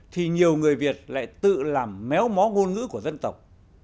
thì nhiều người việt lại tự làm méo mó ngôn ngữ của dân tộc